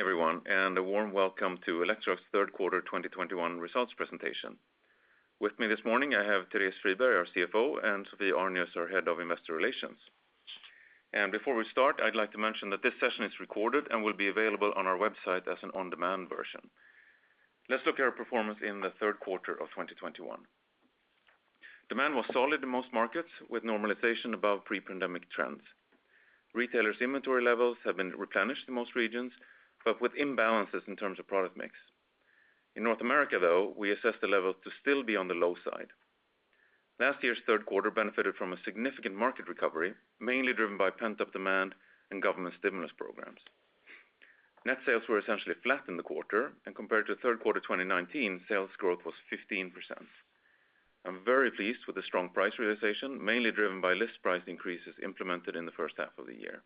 Good morning, everyone, and a warm welcome to Electrolux third quarter 2021 results presentation. With me this morning, I have Therese Friberg, our CFO, and Sophie Arnius, our Head of Investor Relations. Before we start, I'd like to mention that this session is recorded and will be available on our website as an on-demand version. Let's look at our performance in the third quarter of 2021. Demand was solid in most markets, with normalization above pre-pandemic trends. Retailers inventory levels have been replenished in most regions, but with imbalances in terms of product mix. In North America, though, we assess the levels to still be on the low side. Last year's third quarter benefited from a significant market recovery, mainly driven by pent-up demand and government stimulus programs. Net sales were essentially flat in the quarter, and compared to third quarter 2019, sales growth was 15%. I'm very pleased with the strong price realization, mainly driven by list price increases implemented in the first half of the year.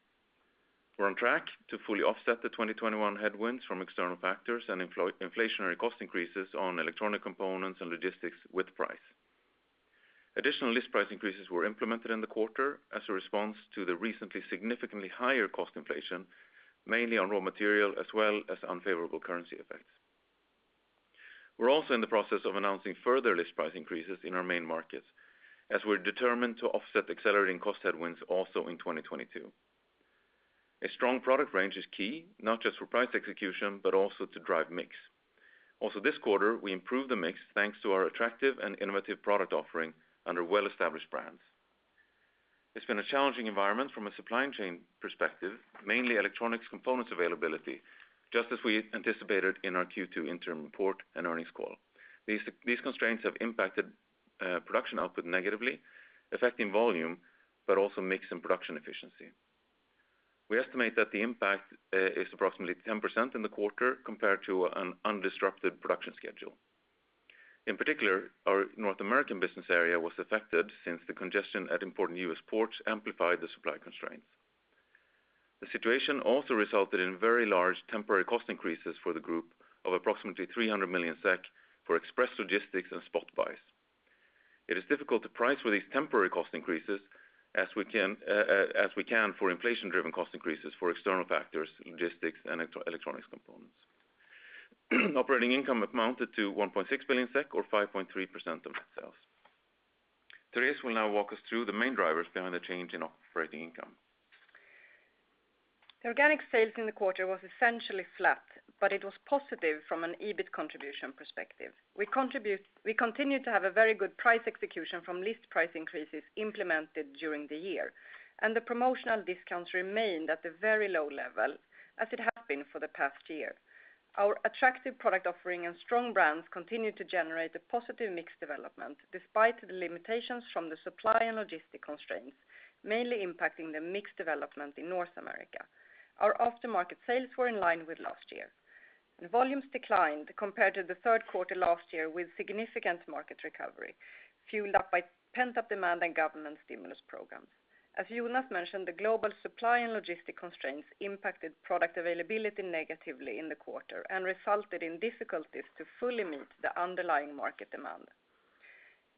We're on track to fully offset the 2021 headwinds from external factors and inflationary cost increases on electronic components and logistics with price. Additional list price increases were implemented in the quarter as a response to the recently significantly higher cost inflation, mainly on raw material as well as unfavorable currency effects. We're also in the process of announcing further list price increases in our main markets as we're determined to offset accelerating cost headwinds also in 2022. A strong product range is key, not just for price execution, but also to drive mix. Also this quarter, we improved the mix, thanks to our attractive and innovative product offering under well-established brands. It's been a challenging environment from a supply chain perspective, mainly electronic components availability, just as we anticipated in our Q2 interim report and earnings call. These constraints have impacted production output negatively, affecting volume, but also mix and production efficiency. We estimate that the impact is approximately 10% in the quarter compared to an undisrupted production schedule. In particular, our North American business area was affected since the congestion at important U.S. ports amplified the supply constraints. The situation also resulted in very large temporary cost increases for the group of approximately 300 million SEK for express logistics and spot buys. It is difficult to price for these temporary cost increases as we can for inflation-driven cost increases for external factors, logistics, and electronic components. Operating income amounted to 1.6 billion SEK, or 5.3% of net sales. Therese will now walk us through the main drivers behind the change in operating income. Organic sales in the quarter was essentially flat, but it was positive from an EBIT contribution perspective. We continued to have a very good price execution from list price increases implemented during the year, and the promotional discounts remained at the very low level as it has been for the past year. Our attractive product offering and strong brands continued to generate a positive mix development despite the limitations from the supply and logistics constraints, mainly impacting the mix development in North America. Our aftermarket sales were in line with last year. The volumes declined compared to the third quarter last year with significant market recovery, fueled by pent-up demand and government stimulus programs. As Jonas mentioned, the global supply and logistics constraints impacted product availability negatively in the quarter and resulted in difficulties to fully meet the underlying market demand.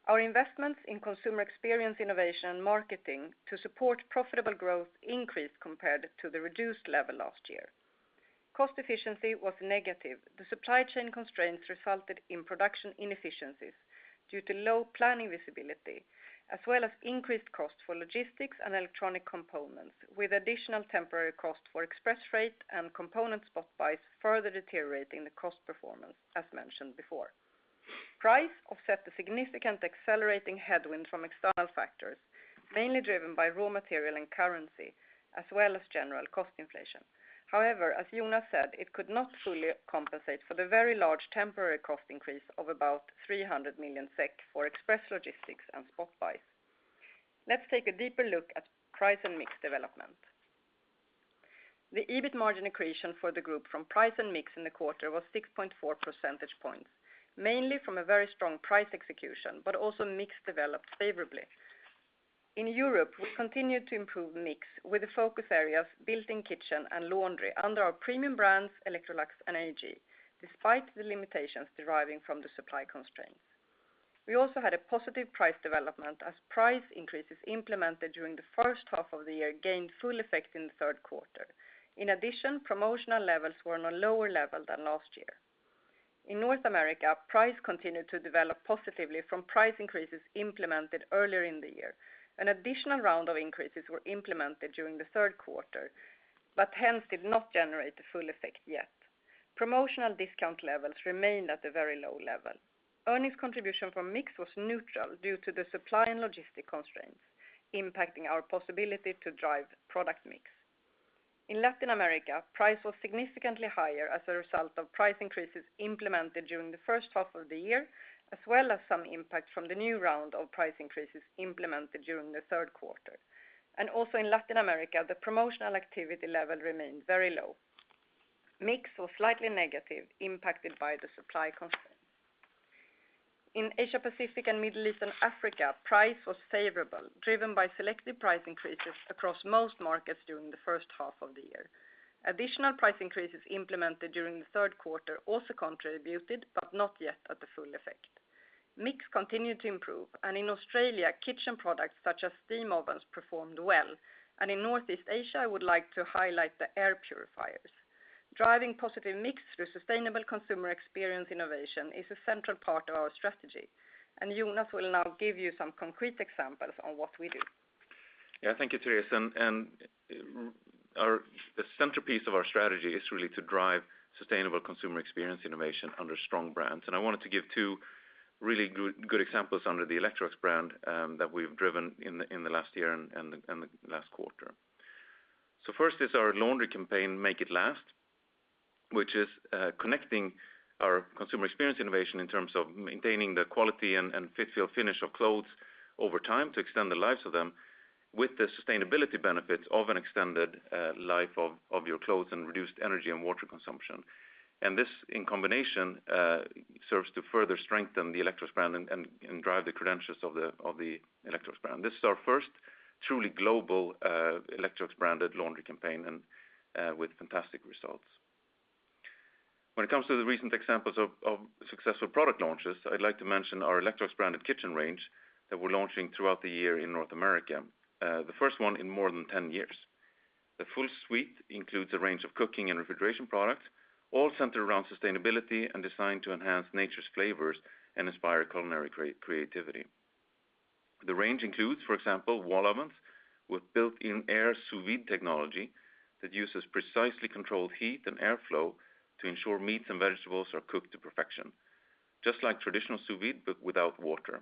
Our investments in consumer experience, innovation, and marketing to support profitable growth increased compared to the reduced level last year. Cost efficiency was negative. The supply chain constraints resulted in production inefficiencies due to low planning visibility, as well as increased costs for logistics and electronic components, with additional temporary costs for express freight and component spot buys further deteriorating the cost performance, as mentioned before. Price offset the significant accelerating headwind from external factors, mainly driven by raw material and currency, as well as general cost inflation. However, as Jonas said, it could not fully compensate for the very large temporary cost increase of about 300 million SEK for express logistics and spot buys. Let's take a deeper look at price and mix development. The EBIT margin accretion for the group from price and mix in the quarter was 6.4 percentage points, mainly from a very strong price execution, but also mix developed favorably. In Europe, we continued to improve mix with the focus areas built-in kitchen and laundry under our premium brands, Electrolux and AEG, despite the limitations deriving from the supply constraints. We also had a positive price development as price increases implemented during the first half of the year gained full effect in the third quarter. In addition, promotional levels were on a lower level than last year. In North America, price continued to develop positively from price increases implemented earlier in the year. An additional round of increases were implemented during the third quarter, but hence did not generate the full effect yet. Promotional discount levels remained at a very low level. Earnings contribution from mix was neutral due to the supply and logistic constraints impacting our possibility to drive product mix. In Latin America, price was significantly higher as a result of price increases implemented during the first half of the year, as well as some impact from the new round of price increases implemented during the third quarter. Also in Latin America, the promotional activity level remained very low. Mix was slightly negative, impacted by the supply constraints. In Asia Pacific and Middle East and Africa, price was favorable, driven by selective price increases across most markets during the first half of the year. Additional price increases implemented during the third quarter also contributed, but not yet at the full effect. Mix continued to improve, and in Australia, kitchen products such as steam ovens performed well. In Northeast Asia, I would like to highlight the air purifiers. Driving positive mix through sustainable consumer experience innovation is a central part of our strategy. Jonas will now give you some concrete examples on what we do. Yeah. Thank you, Therese. The centerpiece of our strategy is really to drive sustainable consumer experience innovation under strong brands. I wanted to give two really good examples under the Electrolux brand that we've driven in the last year and the last quarter. First is our laundry campaign, Make It Last, which is connecting our consumer experience innovation in terms of maintaining the quality and fit, feel, finish of clothes over time to extend the lives of them with the sustainability benefits of an extended life of your clothes and reduced energy and water consumption. This, in combination, serves to further strengthen the Electrolux brand and drive the credentials of the Electrolux brand. This is our first truly global Electrolux branded laundry campaign and with fantastic results. When it comes to the recent examples of successful product launches, I'd like to mention our Electrolux branded kitchen range that we're launching throughout the year in North America, the first one in more than 10 years. The full suite includes a range of cooking and refrigeration products, all centered around sustainability and designed to enhance nature's flavors and inspire culinary creativity. The range includes, for example, wall ovens with built-in Air Sous Vide technology that uses precisely controlled heat and airflow to ensure meats and vegetables are cooked to perfection, just like traditional sous vide, but without water.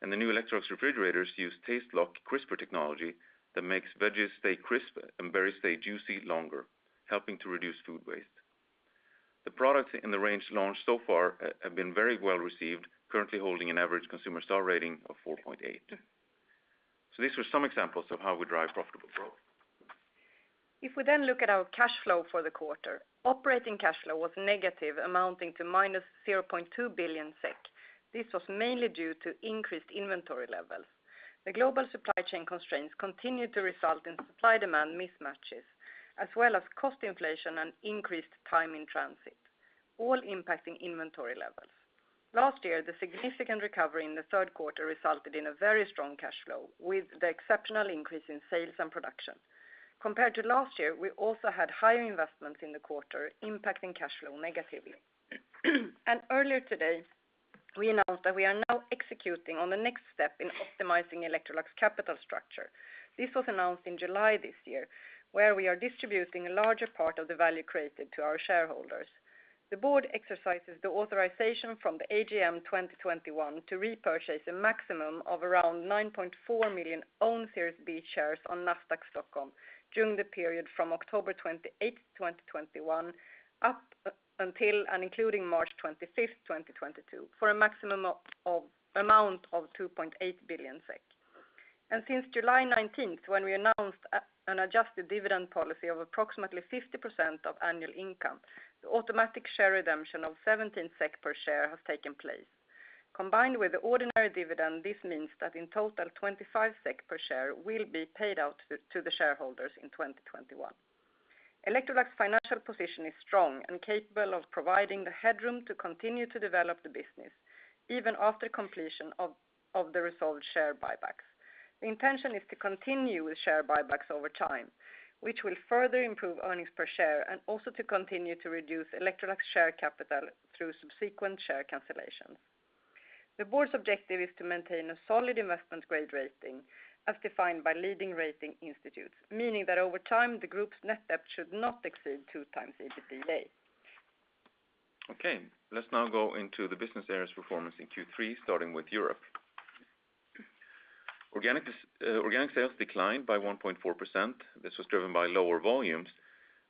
The new Electrolux refrigerators use TasteLock Crisper technology that makes veggies stay crisp and berries stay juicy longer, helping to reduce food waste. The products in the range launched so far have been very well received, currently holding an average consumer star rating of 4.8. These were some examples of how we drive profitable growth. If we then look at our cash flow for the quarter, operating cash flow was negative, amounting to -0.2 billion SEK. This was mainly due to increased inventory levels. The global supply chain constraints continued to result in supply demand mismatches, as well as cost inflation and increased time in transit, all impacting inventory levels. Last year, the significant recovery in the third quarter resulted in a very strong cash flow with the exceptional increase in sales and production. Compared to last year, we also had higher investments in the quarter impacting cash flow negatively. Earlier today, we announced that we are now executing on the next step in optimizing Electrolux capital structure. This was announced in July this year, where we are distributing a larger part of the value created to our shareholders. The board exercises the authorization from the AGM 2021 to repurchase a maximum of around 9.4 million own Series B shares on Nasdaq Stockholm during the period from October 28, 2021 up until and including March 25th, 2022, for a maximum of amount of 2.8 billion SEK. Since July 19, when we announced an adjusted dividend policy of approximately 50% of annual income, the automatic share redemption of 17 SEK per share has taken place. Combined with the ordinary dividend, this means that in total, 25 SEK per share will be paid out to the shareholders in 2021. Electrolux financial position is strong and capable of providing the headroom to continue to develop the business even after completion of the resolved share buybacks. The intention is to continue with share buybacks over time, which will further improve earnings per share and also to continue to reduce Electrolux share capital through subsequent share cancellations. The board's objective is to maintain a solid investment grade rating as defined by leading rating institutes, meaning that over time, the group's net debt should not exceed 2x EBITDA. Okay, let's now go into the business areas performance in Q3, starting with Europe. Organic sales declined by 1.4%. This was driven by lower volumes,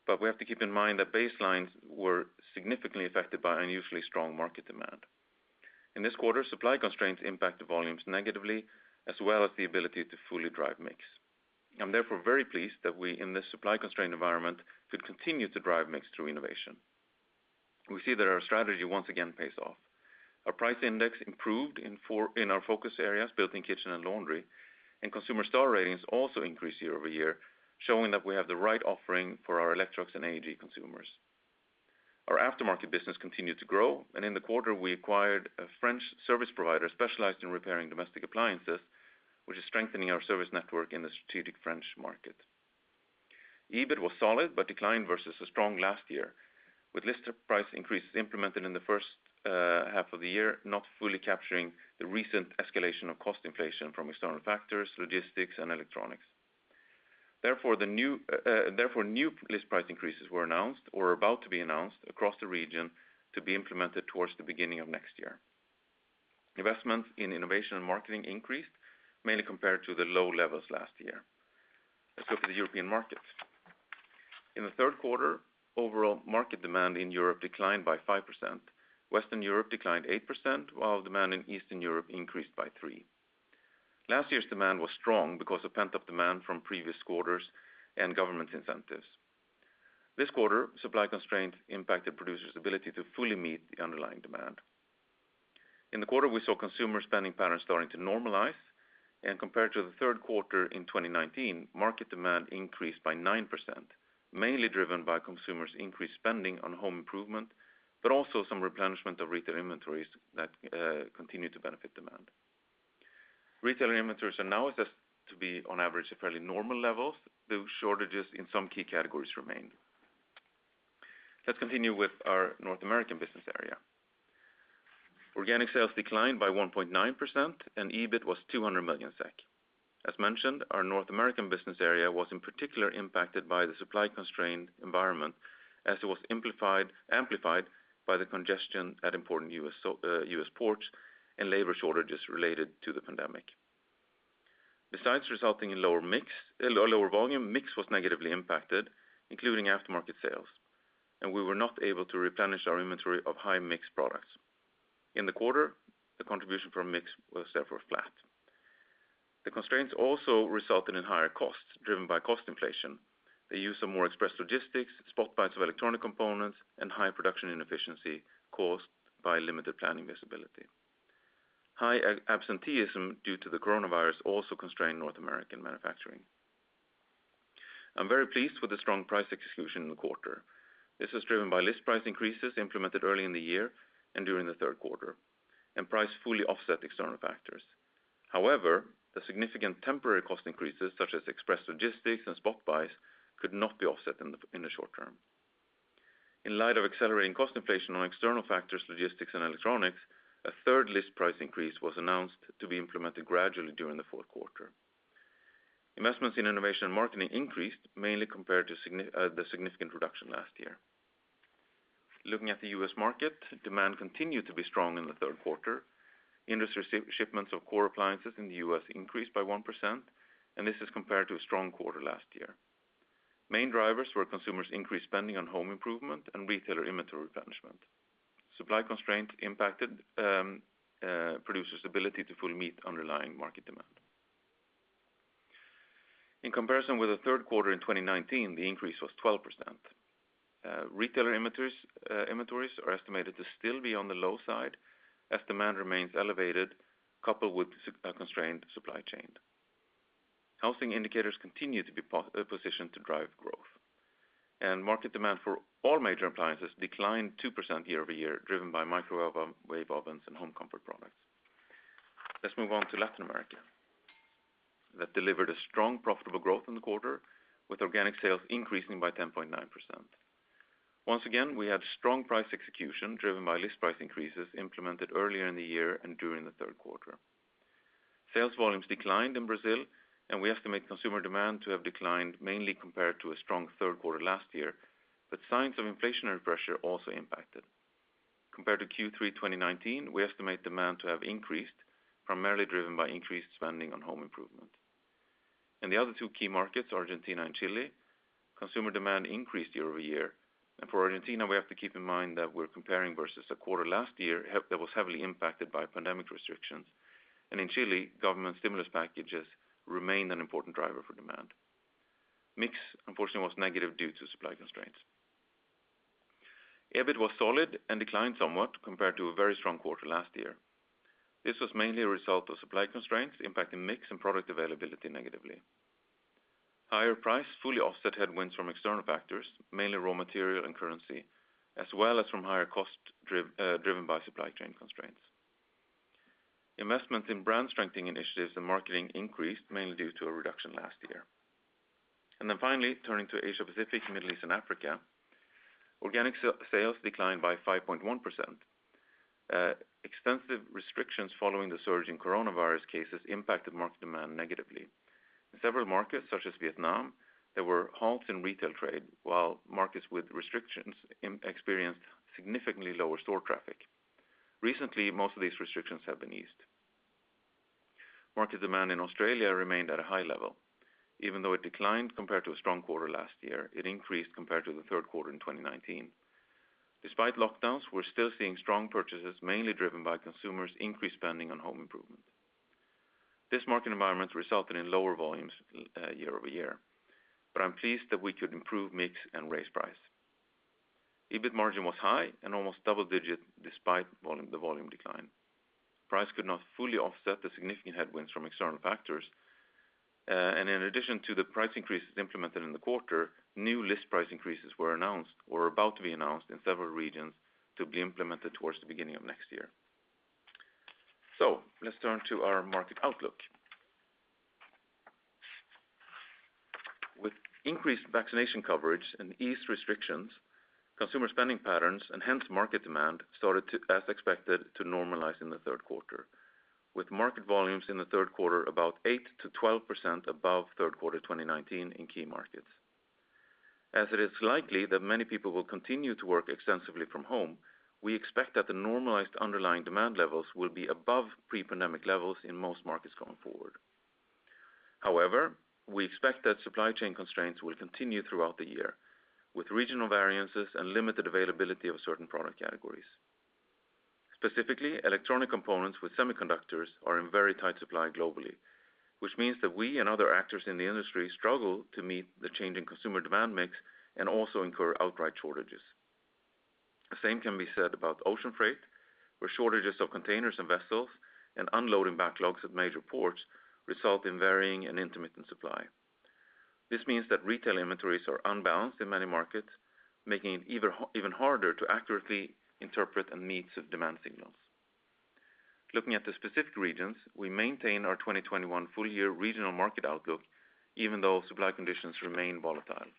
but we have to keep in mind that baselines were significantly affected by unusually strong market demand. In this quarter, supply constraints impacted volumes negatively, as well as the ability to fully drive mix. I'm therefore very pleased that we, in this supply constrained environment, could continue to drive mix through innovation. We see that our strategy once again pays off. Our price index improved in our focus areas, built-in kitchen and laundry, and consumer star ratings also increased year-over-year, showing that we have the right offering for our Electrolux and AEG consumers. Our aftermarket business continued to grow, and in the quarter, we acquired a French service provider specialized in repairing domestic appliances, which is strengthening our service network in the strategic French market. EBIT was solid, but declined versus a strong last year, with list price increases implemented in the first half of the year, not fully capturing the recent escalation of cost inflation from external factors, logistics, and electronics. Therefore, new list price increases were announced or are about to be announced across the region to be implemented towards the beginning of next year. Investment in innovation and marketing increased, mainly compared to the low levels last year. Let's look at the European markets. In the third quarter, overall market demand in Europe declined by 5%. Western Europe declined 8%, while demand in Eastern Europe increased by 3%. Last year's demand was strong because of pent-up demand from previous quarters and government incentives. This quarter, supply constraints impacted producers' ability to fully meet the underlying demand. In the quarter, we saw consumer spending patterns starting to normalize. Compared to the third quarter in 2019, market demand increased by 9%, mainly driven by consumer's increased spending on home improvement, but also some replenishment of retail inventories that continue to benefit demand. Retail inventories are now assessed to be on average at fairly normal levels, though shortages in some key categories remain. Let's continue with our North American business area. Organic sales declined by 1.9% and EBIT was 200 million SEK. As mentioned, our North American business area was in particular impacted by the supply constrained environment as it was amplified by the congestion at important U.S. ports and labor shortages related to the pandemic. Besides resulting in lower volume, mix was negatively impacted, including aftermarket sales, and we were not able to replenish our inventory of high-mix products. In the quarter, the contribution from mix was therefore flat. The constraints also resulted in higher costs driven by cost inflation, the use of more express logistics, spot buys of electronic components, and high production inefficiency caused by limited planning visibility. High absenteeism due to the coronavirus also constrained North American manufacturing. I'm very pleased with the strong price execution in the quarter. This is driven by list price increases implemented early in the year and during the third quarter, and price fully offset external factors. However, the significant temporary cost increases, such as express logistics and spot buys, could not be offset in the short term. In light of accelerating cost inflation on external factors, logistics and electronics, a third list price increase was announced to be implemented gradually during the fourth quarter. Investments in innovation and marketing increased mainly compared to the significant reduction last year. Looking at the U.S. market, demand continued to be strong in the third quarter. Industry shipments of core appliances in the U.S. increased by 1%, and this is compared to a strong quarter last year. Main drivers were consumers increased spending on home improvement and retailer inventory replenishment. Supply constraints impacted producer's ability to fully meet underlying market demand. In comparison with the third quarter in 2019, the increase was 12%. Retailer inventories are estimated to still be on the low side as demand remains elevated, coupled with constrained supply chain. Housing indicators continue to be positioned to drive growth. Market demand for all major appliances declined 2% year-over-year, driven by microwave ovens and home comfort products. Let's move on to Latin America. That delivered a strong profitable growth in the quarter with organic sales increasing by 10.9%. Once again, we had strong price execution driven by list price increases implemented earlier in the year and during the third quarter. Sales volumes declined in Brazil, and we estimate consumer demand to have declined mainly compared to a strong third quarter last year, but signs of inflationary pressure also impacted. Compared to Q3 2019, we estimate demand to have increased, primarily driven by increased spending on home improvement. In the other two key markets, Argentina and Chile, consumer demand increased year-over-year. For Argentina, we have to keep in mind that we're comparing versus a quarter last year that was heavily impacted by pandemic restrictions. In Chile, government stimulus packages remained an important driver for demand. Mix, unfortunately, was negative due to supply constraints. EBIT was solid and declined somewhat compared to a very strong quarter last year. This was mainly a result of supply constraints impacting mix and product availability negatively. Higher price fully offset headwinds from external factors, mainly raw material and currency, as well as from higher cost driven by supply chain constraints. Investment in brand strengthening initiatives and marketing increased mainly due to a reduction last year. Finally, turning to Asia Pacific, Middle East, and Africa, organic sales declined by 5.1%. Extensive restrictions following the surge in coronavirus cases impacted market demand negatively. In several markets, such as Vietnam, there were halts in retail trade, while markets with restrictions experienced significantly lower store traffic. Recently, most of these restrictions have been eased. Market demand in Australia remained at a high level. Even though it declined compared to a strong quarter last year, it increased compared to the third quarter in 2019. Despite lockdowns, we're still seeing strong purchases, mainly driven by consumer's increased spending on home improvement. This market environment resulted in lower volumes year-over-year, but I'm pleased that we could improve mix and raise price. EBIT margin was high and almost double-digit despite volume, the volume decline. Price could not fully offset the significant headwinds from external factors. In addition to the price increases implemented in the quarter, new list price increases were announced or are about to be announced in several regions to be implemented towards the beginning of next year. Let's turn to our market outlook. With increased vaccination coverage and eased restrictions, consumer spending patterns, and hence market demand, started to, as expected, to normalize in the third quarter, with market volumes in the third quarter about 8%-12% above third quarter 2019 in key markets. As it is likely that many people will continue to work extensively from home, we expect that the normalized underlying demand levels will be above pre-pandemic levels in most markets going forward. However, we expect that supply chain constraints will continue throughout the year, with regional variances and limited availability of certain product categories. Specifically, electronic components with semiconductors are in very tight supply globally, which means that we and other actors in the industry struggle to meet the changing consumer demand mix and also incur outright shortages. The same can be said about ocean freight, where shortages of containers and vessels and unloading backlogs at major ports result in varying and intermittent supply. This means that retail inventories are unbalanced in many markets, making it even harder to accurately interpret and meet demand signals. Looking at the specific regions, we maintain our 2021 full year regional market outlook, even though supply conditions remain volatile.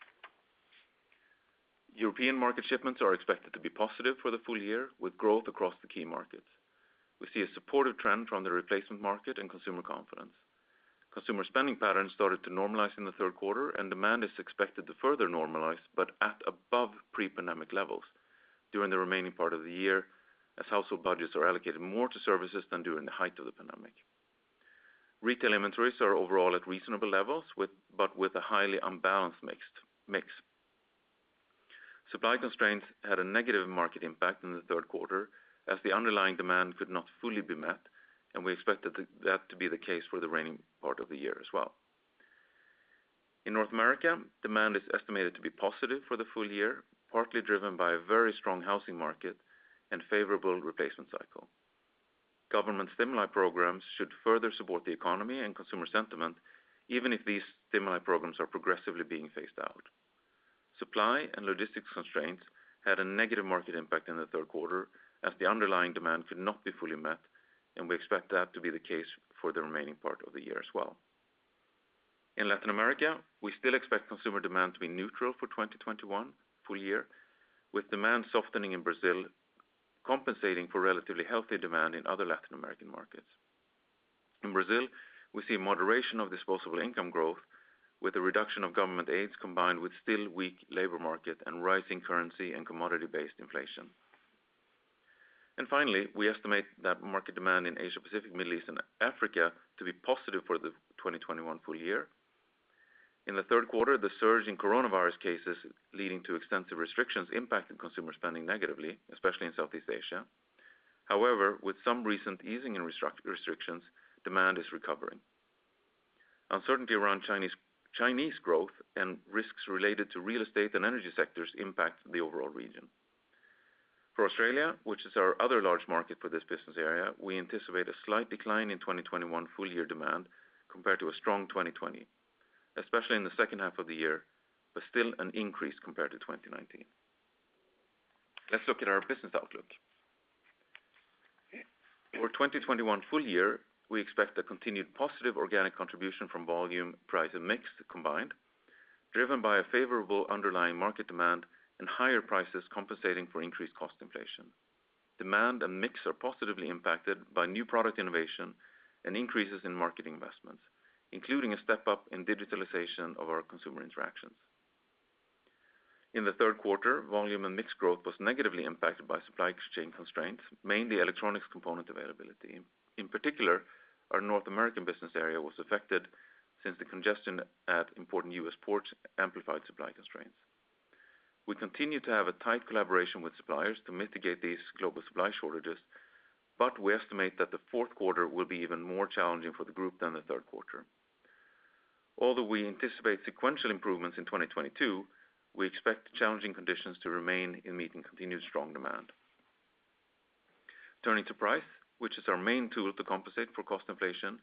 European market shipments are expected to be positive for the full year with growth across the key markets. We see a supportive trend from the replacement market and consumer confidence. Consumer spending patterns started to normalize in the third quarter, and demand is expected to further normalize, but at above pre-pandemic levels during the remaining part of the year, as household budgets are allocated more to services than during the height of the pandemic. Retail inventories are overall at reasonable levels, but with a highly unbalanced mix. Supply constraints had a negative market impact in the third quarter as the underlying demand could not fully be met, and we expected that to be the case for the remaining part of the year as well. In North America, demand is estimated to be positive for the full year, partly driven by a very strong housing market and favorable replacement cycle. Government stimuli programs should further support the economy and consumer sentiment, even if these stimuli programs are progressively being phased out. Supply and logistics constraints had a negative market impact in the third quarter as the underlying demand could not be fully met, and we expect that to be the case for the remaining part of the year as well. In Latin America, we still expect consumer demand to be neutral for 2021 full year, with demand softening in Brazil, compensating for relatively healthy demand in other Latin American markets. In Brazil, we see moderation of disposable income growth with a reduction of government aid combined with still weak labor market and rising currency and commodity-based inflation. Finally, we estimate that market demand in Asia-Pacific, Middle East and Africa to be positive for the 2021 full year. In the third quarter, the surge in coronavirus cases leading to extensive restrictions impacted consumer spending negatively, especially in Southeast Asia. However, with some recent easing in restrictions, demand is recovering. Uncertainty around Chinese growth and risks related to real estate and energy sectors impact the overall region. For Australia, which is our other large market for this business area, we anticipate a slight decline in 2021 full year demand compared to a strong 2020, especially in the second half of the year, but still an increase compared to 2019. Let's look at our business outlook. For the 2021 full year, we expect a continued positive organic contribution from volume, price, and mix combined, driven by a favorable underlying market demand and higher prices compensating for increased cost inflation. Demand and mix are positively impacted by new product innovation and increases in marketing investments, including a step up in digitalization of our consumer interactions. In the third quarter, volume and mix growth was negatively impacted by supply chain constraints, mainly electronics component availability. In particular, our North American business area was affected since the congestion at important U.S. ports amplified supply constraints. We continue to have a tight collaboration with suppliers to mitigate these global supply shortages, but we estimate that the fourth quarter will be even more challenging for the group than the third quarter. Although we anticipate sequential improvements in 2022, we expect challenging conditions to remain in meeting continued strong demand. Turning to price, which is our main tool to compensate for cost inflation,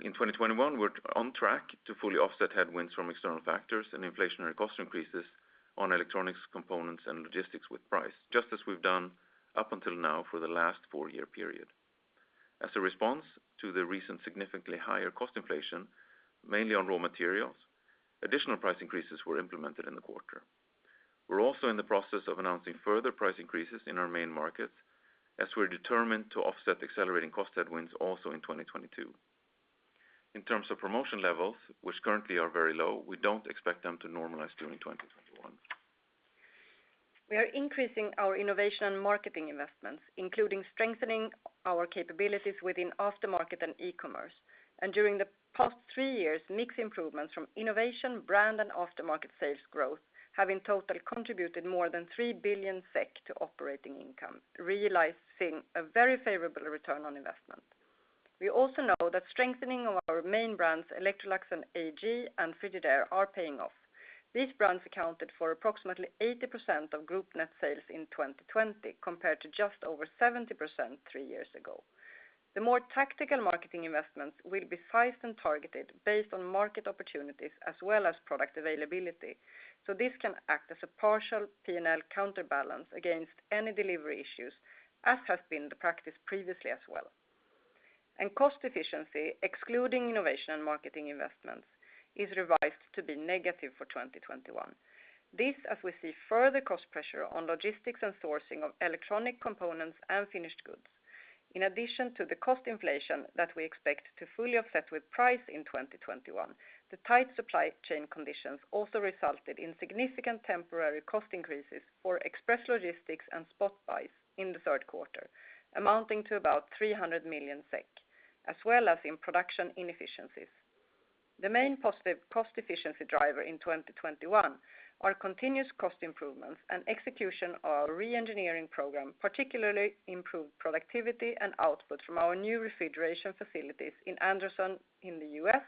in 2021, we're on track to fully offset headwinds from external factors and inflationary cost increases on electronics components and logistics with price, just as we've done up until now for the last four-year period. As a response to the recent significantly higher cost inflation, mainly on raw materials, additional price increases were implemented in the quarter. We're also in the process of announcing further price increases in our main markets as we're determined to offset accelerating cost headwinds also in 2022. In terms of promotion levels, which currently are very low, we don't expect them to normalize during 2021. We are increasing our innovation and marketing investments, including strengthening our capabilities within aftermarket and e-commerce. During the past three years, mix improvements from innovation, brand, and aftermarket sales growth have in total contributed more than 3 billion SEK to operating income, realizing a very favorable return on investment. We also know that strengthening of our main brands, Electrolux and AEG and Frigidaire, are paying off. These brands accounted for approximately 80% of group net sales in 2020, compared to just over 70% three years ago. The more tactical marketing investments will be sized and targeted based on market opportunities as well as product availability. This can act as a partial P&L counterbalance against any delivery issues, as has been the practice previously as well. Cost efficiency, excluding innovation and marketing investments, is revised to be negative for 2021. This, as we see, further cost pressure on logistics and sourcing of electronic components and finished goods. In addition to the cost inflation that we expect to fully offset with price in 2021, the tight supply chain conditions also resulted in significant temporary cost increases for express logistics and spot buys in the third quarter, amounting to about 300 million SEK, as well as in production inefficiencies. The main positive cost efficiency driver in 2021 are continuous cost improvements and execution of our re-engineering program, particularly improved productivity and output from our new refrigeration facilities in Anderson in the U.S.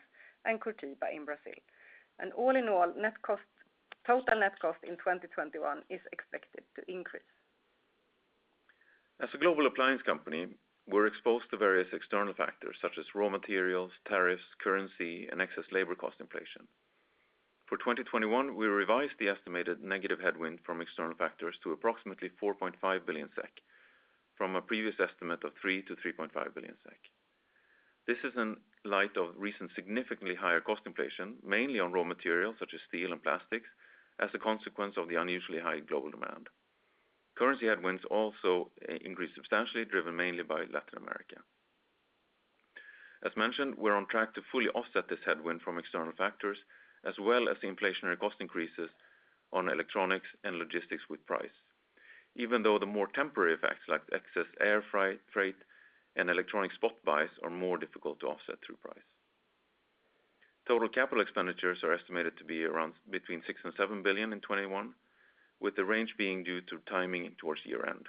Curitiba in Brazil. All in all, net cost, total net cost in 2021 is expected to increase. As a global appliance company, we're exposed to various external factors such as raw materials, tariffs, currency, and excess labor cost inflation. For 2021, we revised the estimated negative headwind from external factors to approximately 4.5 billion SEK, from a previous estimate of 3 billion-3.5 billion SEK. This is in light of recent significantly higher cost inflation, mainly on raw materials such as steel and plastics, as a consequence of the unusually high global demand. Currency headwinds also increased substantially, driven mainly by Latin America. As mentioned, we're on track to fully offset this headwind from external factors, as well as the inflationary cost increases on electronics and logistics with price. Even though the more temporary effects like excess air freight and electronic spot buys are more difficult to offset through price. Total capital expenditures are estimated to be around 6 billion-7 billion in 2021, with the range being due to timing towards year-end.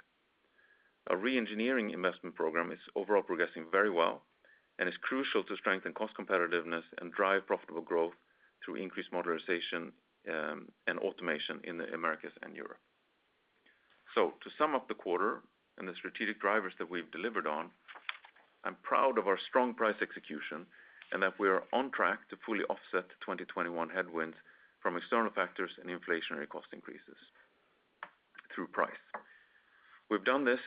Our re-engineering investment program is overall progressing very well and is crucial to strengthen cost competitiveness and drive profitable growth through increased modernization and automation in the Americas and Europe. To sum up the quarter and the strategic drivers that we've delivered on, I'm proud of our strong price execution and that we are on track to fully offset the 2021 headwinds from external factors and inflationary cost increases through price. We've done this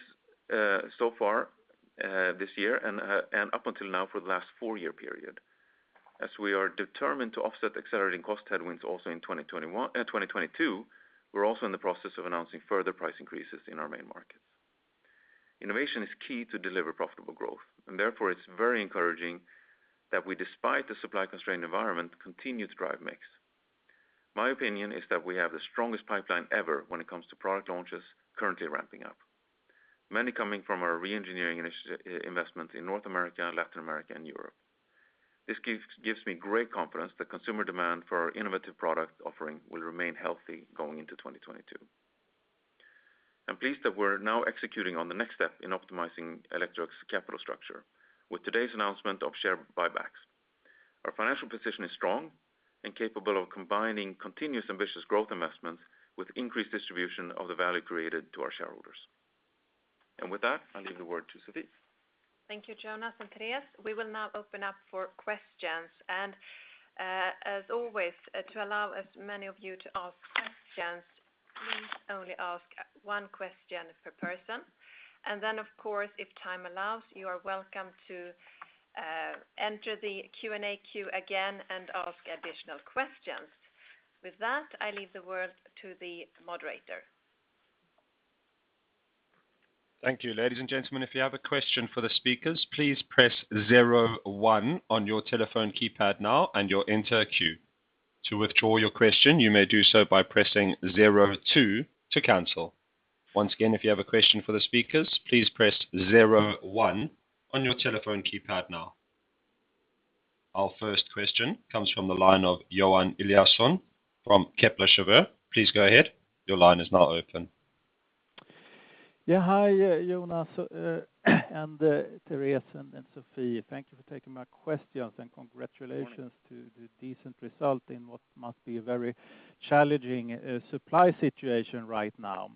so far this year and up until now for the last four-year period. As we are determined to offset accelerating cost headwinds also in 2021 and 2022, we're also in the process of announcing further price increases in our main markets. Innovation is key to deliver profitable growth, and therefore it's very encouraging that we, despite the supply constrained environment, continue to drive mix. My opinion is that we have the strongest pipeline ever when it comes to product launches currently ramping up, many coming from our re-engineering investment in North America, Latin America, and Europe. This gives me great confidence that consumer demand for our innovative product offering will remain healthy going into 2022. I'm pleased that we're now executing on the next step in optimizing Electrolux capital structure with today's announcement of share buybacks. Our financial position is strong and capable of combining continuous ambitious growth investments with increased distribution of the value created to our shareholders. With that, I leave the word to Sophie. Thank you, Jonas and Therese. We will now open up for questions. As always, to allow as many of you to ask questions, please only ask one question per person. Then of course, if time allows, you are welcome to enter the Q&A queue again and ask additional questions. With that, I leave the word to the moderator. Thank you. Ladies and gentlemen, if you have a question for the speakers, please press zero one on your telephone keypad now and you enter queue. To withdraw your question, you may do so by pressing zero two to cancel. Once again, if you have a question for the speakers, please press zero one on your telephone keypad now. Our first question comes from the line of Johan Eliason from Kepler Cheuvreux. Please go ahead. Your line is now open. Yeah. Hi, Jonas, and Therese and Sophie. Thank you for taking my questions, and congratulations to the decent result in what must be a very challenging supply situation right now.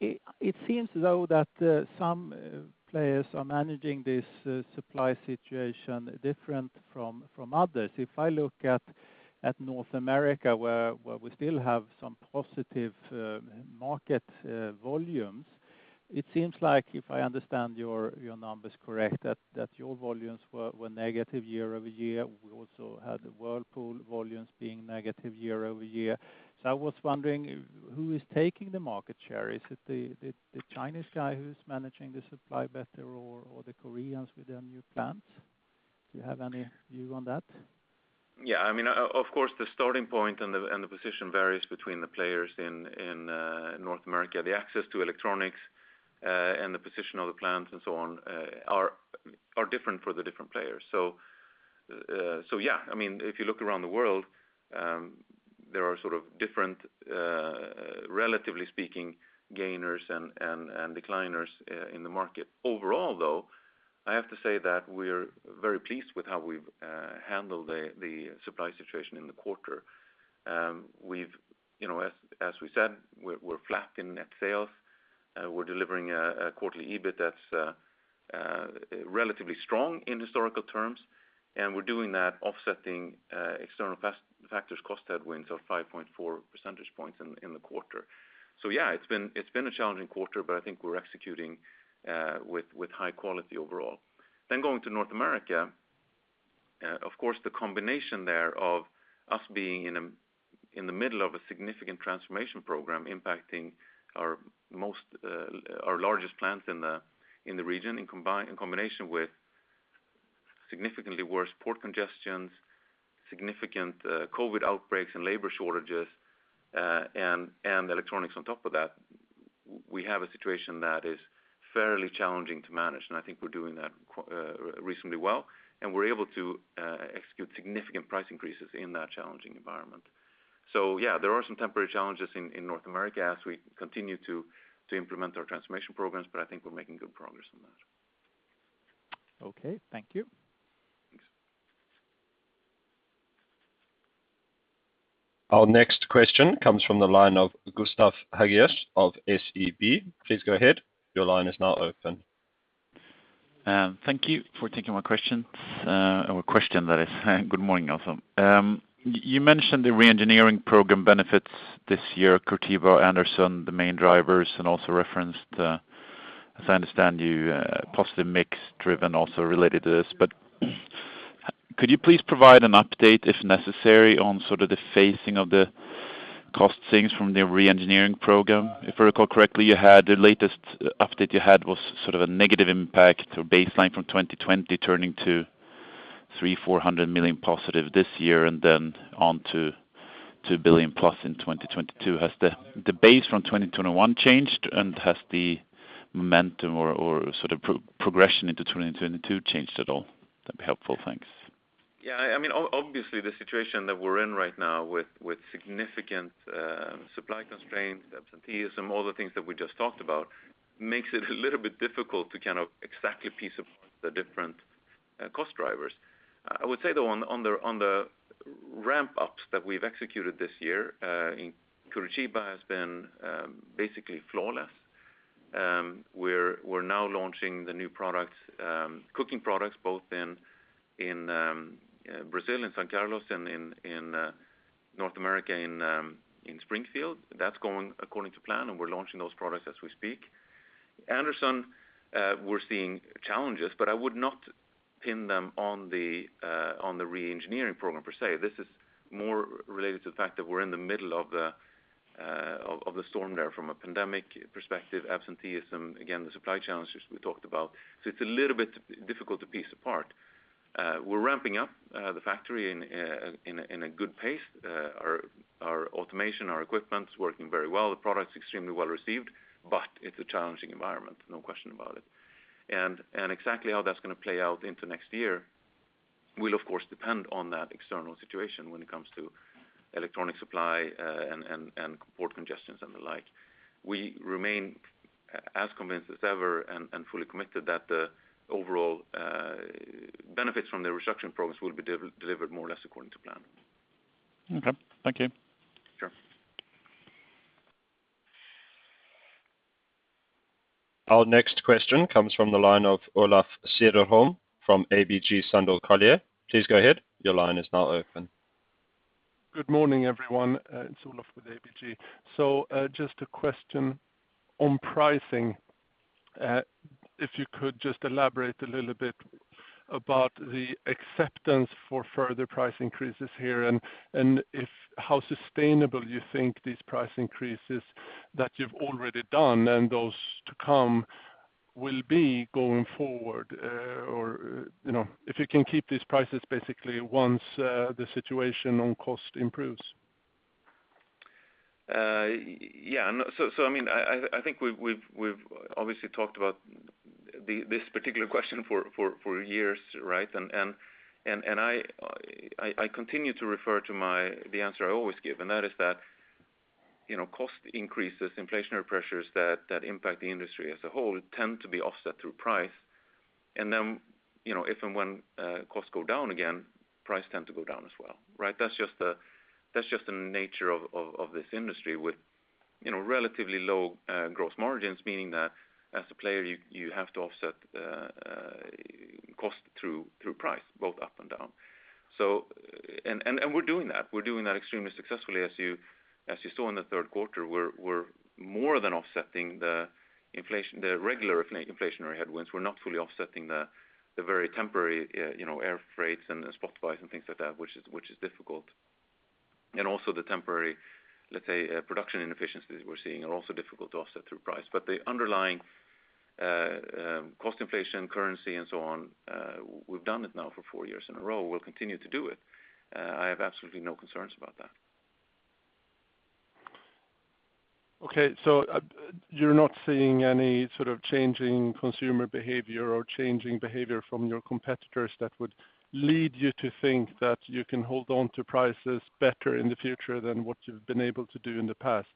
It seems though that some players are managing this supply situation different from others. If I look at North America where we still have some positive market volumes, it seems like, if I understand your numbers correct, that your volumes were negative year-over-year. We also had the Whirlpool volumes being negative year-over-year. I was wondering who is taking the market share? Is it the Chinese guy who's managing the supply better or the Koreans with their new plants? Do you have any view on that? Yeah. I mean, of course, the starting point and the position varies between the players in North America. The access to electronics and the position of the plants and so on are different for the different players. Yeah, I mean, if you look around the world, there are sort of different, relatively speaking, gainers and decliners in the market. Overall, though, I have to say that we're very pleased with how we've handled the supply situation in the quarter. We've, you know, as we said, we're flat in net sales. We're delivering a quarterly EBIT that's relatively strong in historical terms, and we're doing that offsetting external factors cost headwinds of 5.4 percentage points in the quarter. Yeah, it's been a challenging quarter, but I think we're executing with high quality overall. Going to North America, of course, the combination there of us being in the middle of a significant transformation program impacting our largest plants in the region, in combination with significantly worse port congestions, significant COVID outbreaks and labor shortages, and electronics on top of that, we have a situation that is fairly challenging to manage, and I think we're doing that reasonably well, and we're able to execute significant price increases in that challenging environment. Yeah, there are some temporary challenges in North America as we continue to implement our transformation programs, but I think we're making good progress on that. Okay, thank you. Thanks. Our next question comes from the line of Gustav Hagéus of SEB. Please go ahead. Your line is now open. Thank you for taking my questions, or question that is. Good morning, all. You mentioned the re-engineering program benefits this year, Curitiba, Anderson, the main drivers, and also referenced, as I understand you, positive mix driven also related to this. Could you please provide an update if necessary on sort of the phasing of the cost savings from the re-engineering program? If I recall correctly, the latest update you had was sort of a negative impact or baseline from 2020 turning to 300 million-400 million positive this year and then on to 2 billion+ in 2022. Has the base from 2021 changed? And has the momentum or sort of progression into 2022 changed at all? That'd be helpful. Thanks. Yeah, I mean, obviously, the situation that we're in right now with significant supply constraints, absenteeism, all the things that we just talked about, makes it a little bit difficult to kind of exactly piece apart the different cost drivers. I would say, though, on the ramp ups that we've executed this year in Curitiba has been basically flawless. We're now launching the new products, cooking products both in Brazil and São Carlos and in North America in Springfield. That's going according to plan, and we're launching those products as we speak. Anderson, we're seeing challenges, but I would not pin them on the re-engineering program per se. This is more related to the fact that we're in the middle of the storm there from a pandemic perspective, absenteeism, again, the supply challenges we talked about. It's a little bit difficult to piece apart. We're ramping up the factory in a good pace. Our automation, our equipment's working very well. The product's extremely well-received, but it's a challenging environment, no question about it. Exactly how that's going to play out into next year will of course depend on that external situation when it comes to electronic supply, and port congestions and the like. We remain as convinced as ever and fully committed that the overall benefits from the re-engineering program will be delivered more or less according to plan. Okay, thank you. Sure. Our next question comes from the line of Olof Cederholm from ABG Sundal Collier. Please go ahead. Your line is now open. Good morning, everyone. It's Olaf with ABG. Just a question on pricing. If you could just elaborate a little bit about the acceptance for further price increases here and how sustainable you think these price increases that you've already done and those to come will be going forward, or, you know, if you can keep these prices basically once the situation on cost improves. I mean, I think we've obviously talked about this particular question for years, right? I continue to refer to the answer I always give, and that is that, you know, cost increases, inflationary pressures that impact the industry as a whole tend to be offset through price. You know, if and when costs go down again, price tend to go down as well, right? That's just the nature of this industry with, you know, relatively low gross margins, meaning that as a player, you have to offset cost through price, both up and down. We're doing that extremely successfully. As you saw in the third quarter, we're more than offsetting the inflation, the regular inflationary headwinds. We're not fully offsetting the very temporary air freights and spot buys and things like that, which is difficult. Also the temporary, let's say, production inefficiencies we're seeing are also difficult to offset through price. The underlying cost inflation, currency, and so on, we've done it now for four years in a row. We'll continue to do it. I have absolutely no concerns about that. Okay. You're not seeing any sort of changing consumer behavior or changing behavior from your competitors that would lead you to think that you can hold on to prices better in the future than what you've been able to do in the past?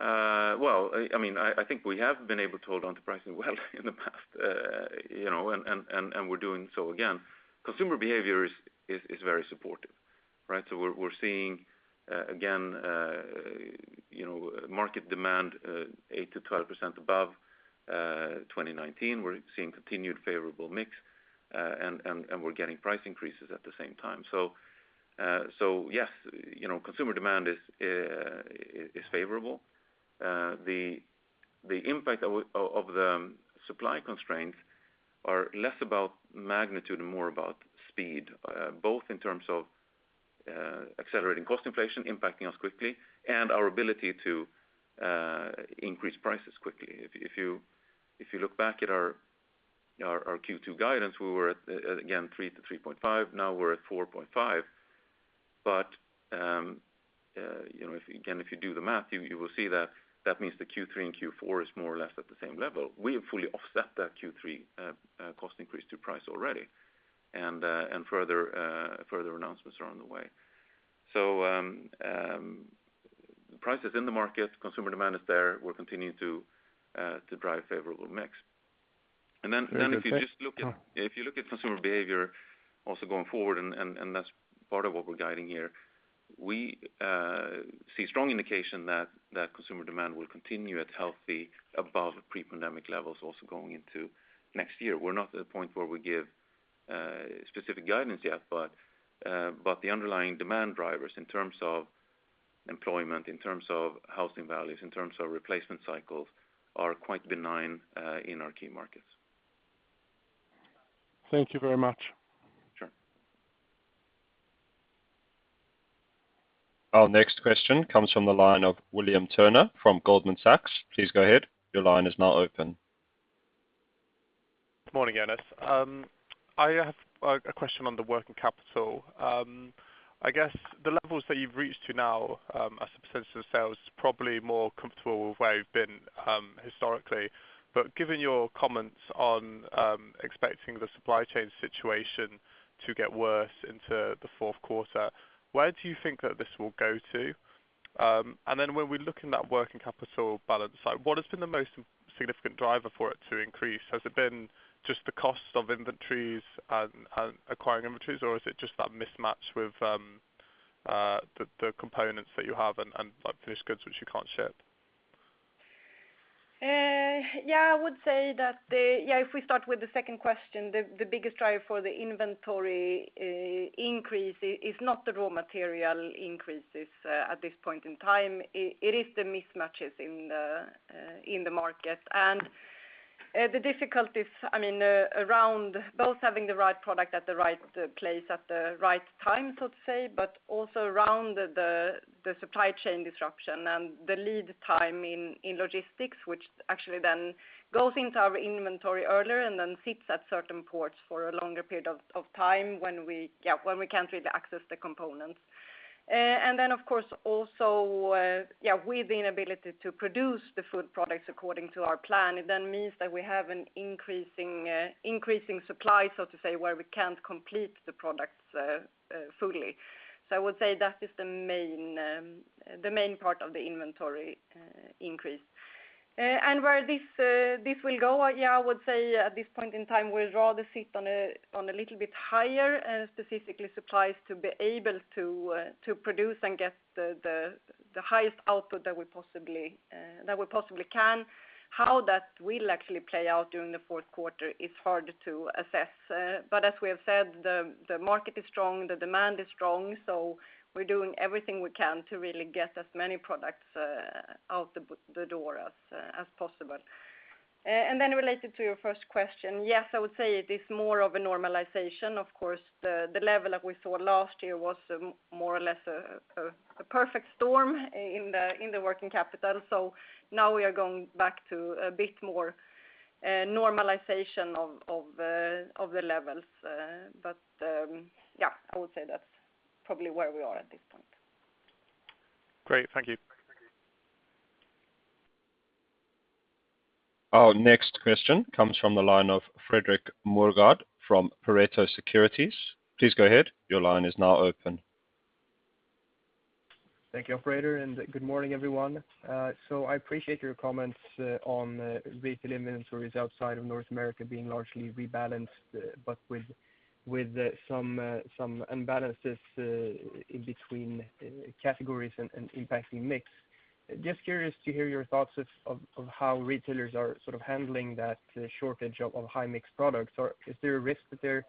Well, I think we have been able to hold on to pricing well in the past, you know, and we're doing so again. Consumer behavior is very supportive, right? We're seeing, again, you know, market demand 8%-12% above 2019. We're seeing continued favorable mix and we're getting price increases at the same time. Yes, you know, consumer demand is favorable. The impact of the supply constraints are less about magnitude and more about speed, both in terms of accelerating cost inflation impacting us quickly and our ability to increase prices quickly. If you look back at our Q2 guidance, we were at, again, 3%-3.5%. Now we're at 4.5%. You know, if, again, if you do the math, you will see that means Q3 and Q4 is more or less at the same level. We have fully offset that Q3 cost increase to price already, and further announcements are on the way. Prices in the market, consumer demand is there. We're continuing to drive favorable mix. If you look at consumer behavior also going forward, and that's part of what we're guiding here, we see strong indication that consumer demand will continue at healthy above pre-pandemic levels also going into next year. We're not at a point where we give specific guidance yet, but the underlying demand drivers in terms of employment, in terms of housing values, in terms of replacement cycles are quite benign in our key markets. Thank you very much. Sure. Our next question comes from the line of William Turner from Goldman Sachs. Please go ahead. Your line is now open. Morning, Jonas. I have a question on the working capital. I guess the levels that you've reached to now, as a percentage of sales, is probably more comfortable with where you've been historically. Given your comments on expecting the supply chain situation to get worse into the fourth quarter, where do you think that this will go to? And then when we look in that working capital balance, like what has been the most significant driver for it to increase? Has it been just the costs of inventories and acquiring inventories, or is it just that mismatch with the components that you have and like finished goods which you can't ship? If we start with the second question, the biggest driver for the inventory increase is not the raw material increases at this point in time. It is the mismatches in the market. The difficulties, I mean, around both having the right product at the right place, at the right time, so to say, but also around the supply chain disruption and the lead time in logistics, which actually then goes into our inventory earlier and then sits at certain ports for a longer period of time when we can't really access the components. Of course also, with the inability to produce the full products according to our plan, it then means that we have an increasing supply, so to say, where we can't complete the products fully. I would say that is the main part of the inventory increase. Where this will go, I would say at this point in time, we'd rather sit on a little bit higher, specifically supplies to be able to produce and get the highest output that we possibly can. How that will actually play out during the fourth quarter is hard to assess. As we have said, the market is strong, the demand is strong, so we're doing everything we can to really get as many products out the door as possible. Then related to your first question, yes, I would say it is more of a normalization. Of course, the level that we saw last year was more or less a perfect storm in the working capital. Now we are going back to a bit more normalization of the levels. Yeah, I would say that's probably where we are at this point. Great. Thank you. Our next question comes from the line of Fredrik Moregård from Pareto Securities. Please go ahead. Your line is now open. Thank you, operator, and good morning, everyone. I appreciate your comments on retail inventories outside of North America being largely rebalanced, but with some imbalances in between categories and impacting mix. Just curious to hear your thoughts of how retailers are sort of handling that shortage of high-mix products. Or is there a risk that they're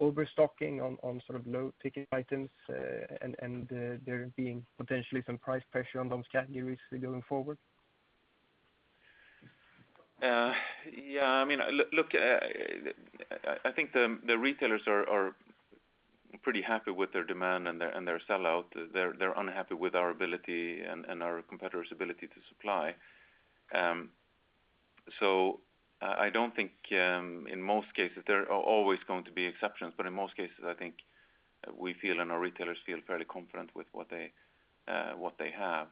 overstocking on sort of low-ticket items, and there being potentially some price pressure on those categories going forward? Yeah. I mean, look, I think the retailers are pretty happy with their demand and their sell-out. They're unhappy with our ability and our competitors' ability to supply. I don't think, in most cases there are always going to be exceptions, but in most cases I think we feel and our retailers feel fairly confident with what they have.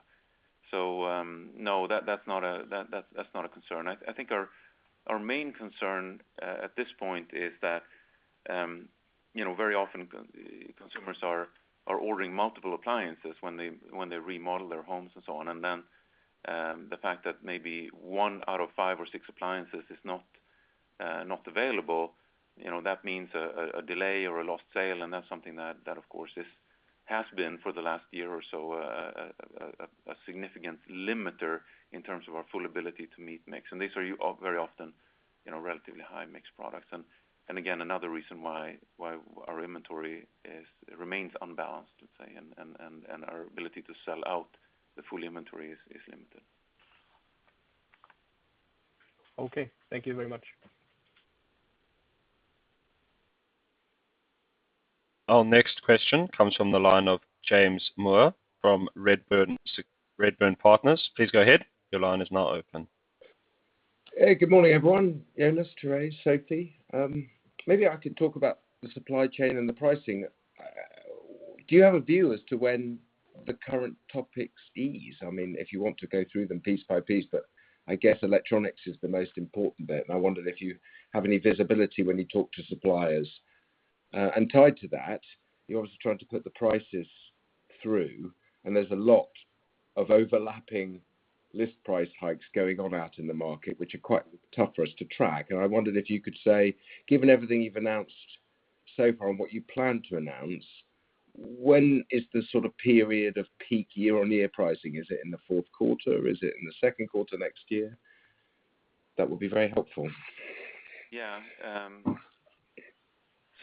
No, that's not a concern. I think our main concern at this point is that, you know, very often consumers are ordering multiple appliances when they remodel their homes and so on. The fact that maybe one out of five or six appliances is not available, you know, that means a delay or a lost sale, and that's something that of course has been for the last year or so a significant limiter in terms of our full ability to meet mix. These are very often, you know, relatively high-mix products. Again, another reason why our inventory remains unbalanced, let's say, and our ability to sell out the full inventory is limited. Okay. Thank you very much. Our next question comes from the line of James Moore from Redburn Partners. Please go ahead. Your line is now open. Hey, good morning, everyone. Jonas, Therese, Sofie. Maybe I could talk about the supply chain and the pricing. Do you have a view as to when the current topics ease? I mean, if you want to go through them piece by piece, but I guess electronics is the most important bit. I wondered if you have any visibility when you talk to suppliers. Tied to that, you're obviously trying to put the prices through, and there's a lot of overlapping list price hikes going on out in the market, which are quite tough for us to track. I wondered if you could say, given everything you've announced so far and what you plan to announce, when is the sort of period of peak year-on-year pricing? Is it in the fourth quarter? Is it in the second quarter next year? That would be very helpful.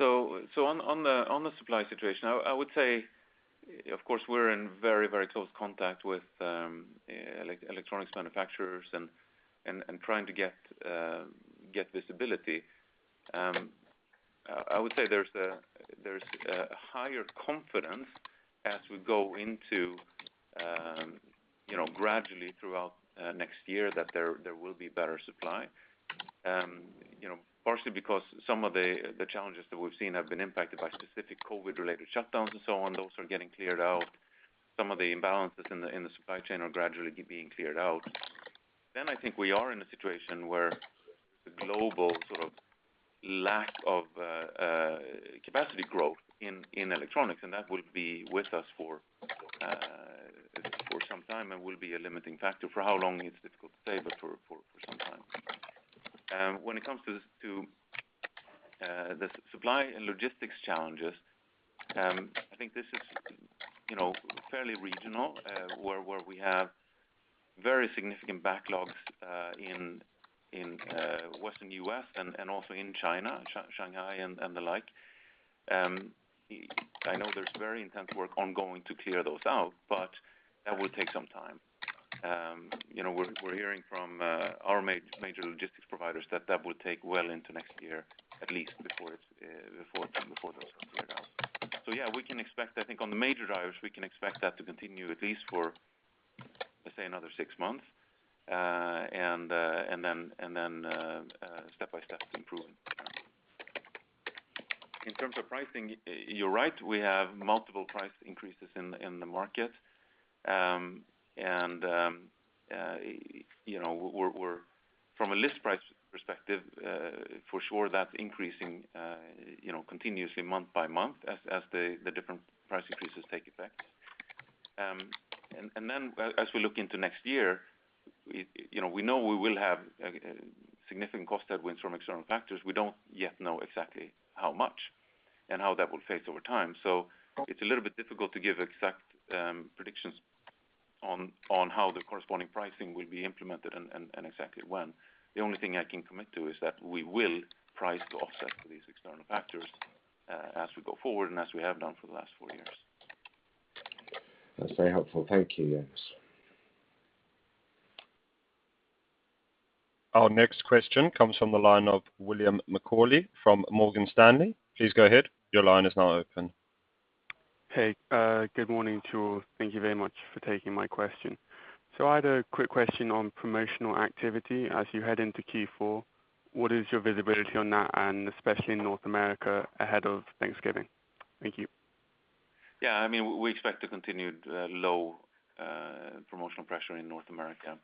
On the supply situation, I would say, of course, we're in very close contact with electronics manufacturers and trying to get visibility. I would say there's a higher confidence as we go into you know gradually throughout next year that there will be better supply. You know partially because some of the challenges that we've seen have been impacted by specific COVID-related shutdowns and so on, those are getting cleared out. Some of the imbalances in the supply chain are gradually being cleared out. I think we are in a situation where the global sort of lack of capacity growth in electronics and that will be with us for some time and will be a limiting factor. For how long, it's difficult to say, but for some time. When it comes to the supply and logistics challenges, I think this is, you know, fairly regional, where we have very significant backlogs in Western U.S. and also in China, Shanghai and the like. I know there's very intense work ongoing to clear those out, but that will take some time. We're hearing from our major logistics providers that that will take well into next year, at least before those are cleared out. Yeah, we can expect, I think on the major drivers, we can expect that to continue at least for, let's say, another six months. Then step by step improving. In terms of pricing, you're right, we have multiple price increases in the market. You know, from a list price perspective, for sure that's increasing, you know, continuously month by month as the different price increases take effect. As we look into next year, you know, we know we will have significant cost headwinds from external factors. We don't yet know exactly how much and how that will phase over time. It's a little bit difficult to give exact predictions on how the corresponding pricing will be implemented and exactly when. The only thing I can commit to is that we will price to offset for these external factors as we go forward and as we have done for the last four years. That's very helpful. Thank you. Yes. Our next question comes from the line of William [Mack] from Morgan Stanley. Please go ahead. Your line is now open. Hey, good morning to all. Thank you very much for taking my question. I had a quick question on promotional activity. As you head into Q4, what is your visibility on that, and especially in North America ahead of Thanksgiving? Thank you. Yeah, I mean, we expect to continue low promotional pressure in North America,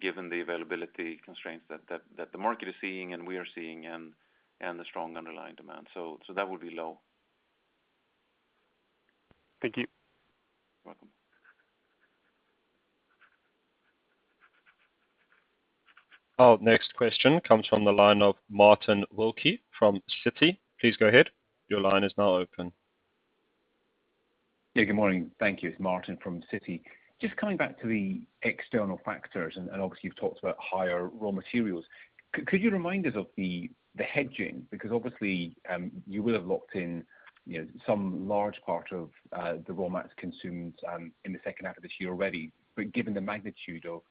given the availability constraints that the market is seeing and we are seeing and the strong underlying demand. That would be low. Thank you. Welcome. Our next question comes from the line of Martin Wilkie from Citi. Please go ahead. Your line is now open. Yeah, good morning. Thank you. It's Martin from Citi. Just coming back to the external factors, and obviously you've talked about higher raw materials. Could you remind us of the hedging? Because obviously, you will have locked in, you know, some large part of the raw materials consumed in the second half of this year already. Given the magnitude of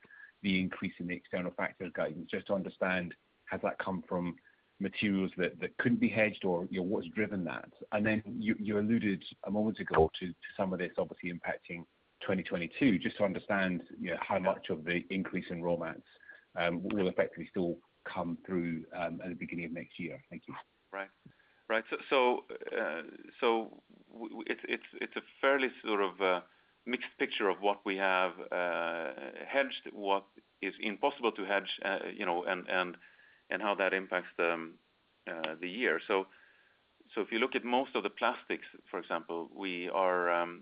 the increase in the external factors guidance, just to understand, has that come from materials that couldn't be hedged or, you know, what's driven that? Then you alluded a moment ago to some of this obviously impacting 2022. Just to understand, you know, how much of the increase in raw mats will effectively still come through at the beginning of next year. Thank you. Right. It's a fairly sort of a mixed picture of what we have hedged, what is impossible to hedge, you know, and how that impacts the year. If you look at most of the plastics, for example, we have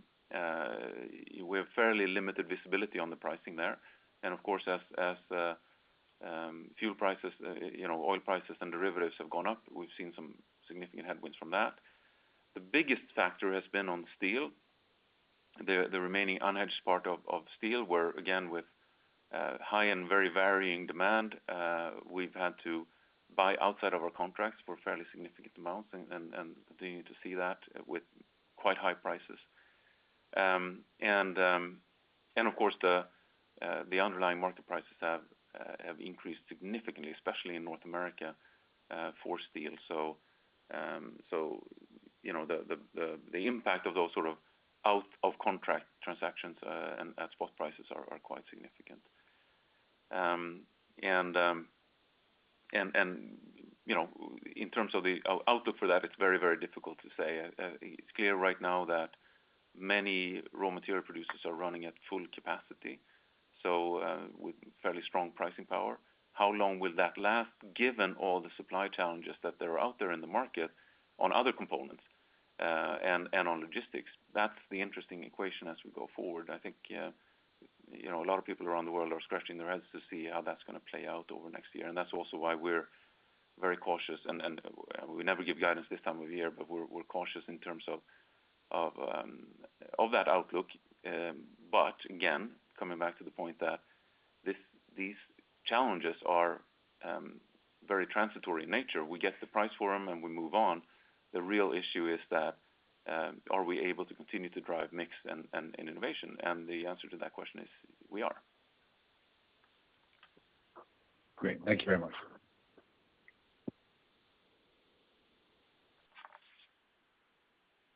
fairly limited visibility on the pricing there. Of course, as fuel prices, you know, oil prices and derivatives have gone up, we've seen some significant headwinds from that. The biggest factor has been on steel. The remaining unhedged part of steel, where again, with high and very varying demand, we've had to buy outside of our contracts for fairly significant amounts and continue to see that with quite high prices. Of course the underlying market prices have increased significantly in North America for steel. You know, the impact of those sort of out of contract transactions and at spot prices are quite significant. You know, in terms of the outlook for that, it's very difficult to say. It's clear right now that many raw material producers are running at full capacity, so with fairly strong pricing power. How long will that last given all the supply challenges that are out there in the market on other components and on logistics? That's the interesting equation as we go forward. I think you know, a lot of people around the world are scratching their heads to see how that's gonna play out over next year, and that's also why we're very cautious, and we never give guidance this time of year, but we're cautious in terms of that outlook. Again, coming back to the point that this, these challenges are very transitory in nature. We get the price for them, and we move on. The real issue is that are we able to continue to drive mix and innovation? The answer to that question is we are. Great. Thank you very much.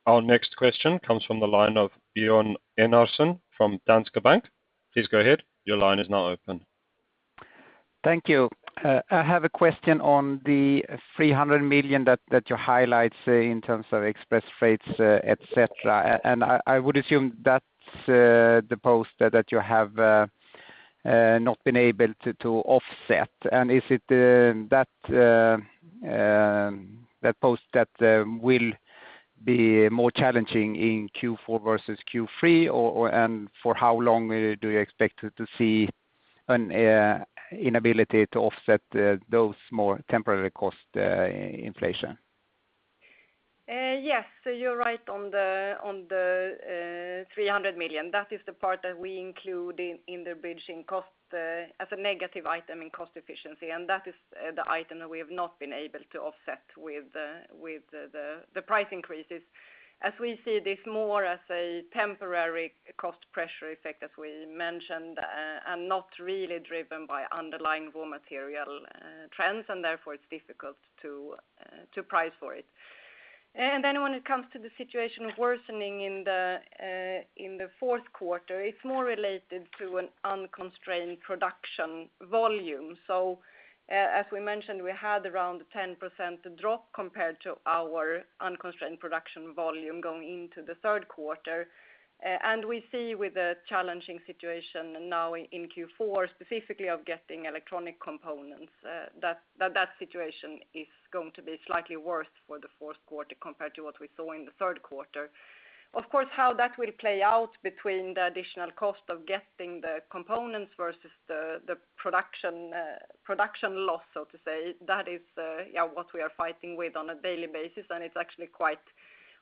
Our next question comes from the line of Björn Enarson from Danske Bank. Please go ahead. Your line is now open. Thank you. I have a question on the 300 million that you highlight in terms of express freights, etc. I would assume that's the cost that you have not been able to offset. Is it that cost that will be more challenging in Q4 versus Q3 or. For how long do you expect to see an inability to offset those more temporary cost inflation? Yes, you're right on the 300 million. That is the part that we include in the bridging cost as a negative item in cost efficiency, and that is the item that we have not been able to offset with the price increases. As we see this more as a temporary cost pressure effect, as we mentioned, and not really driven by underlying raw material trends, and therefore it's difficult to price for it. When it comes to the situation worsening in the fourth quarter, it's more related to an unconstrained production volume. As we mentioned, we had around 10% drop compared to our unconstrained production volume going into the third quarter. We see a challenging situation now in Q4 specifically of getting electronic components, that situation is going to be slightly worse for the fourth quarter compared to what we saw in the third quarter. Of course, how that will play out between the additional cost of getting the components versus the production loss, so to say, that is what we are fighting with on a daily basis, and it's actually quite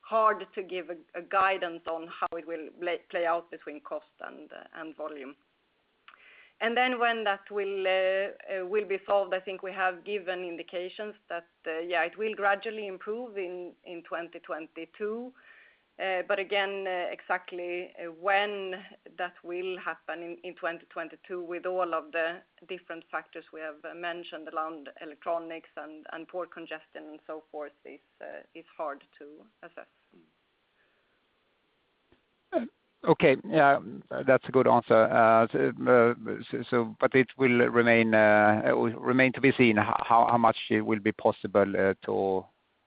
hard to give a guidance on how it will play out between cost and volume. Then when that will be solved I think we have given indications that it will gradually improve in 2022. Again, exactly when that will happen in 2022 with all of the different factors we have mentioned around electronics and port congestion and so forth is hard to assess. Okay. Yeah, that's a good answer. It will remain to be seen how much it will be possible to